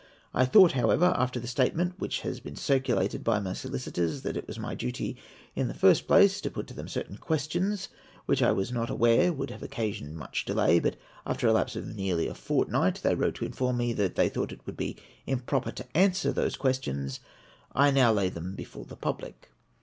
I thought, however, after the statement which has been circulated by my solicitors, that it Was my duty, in the first place, to put to them certain fpiestions, which I was not aware would have occasioned much delay ; but after a lapse of nearly a fortnight, they wrote to inform me, that they thought it would be improper to answer those questions. I now lay them before the public.